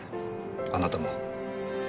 あなたも。